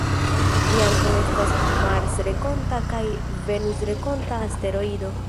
Ĝi ankaŭ estas marsrenkonta kaj venusrenkonta asteroido.